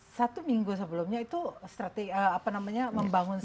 satu minggu sebelumnya itu strategi apa namanya membangun